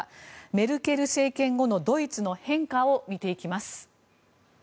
メルケル政権後のドイツの変化を見ていきます。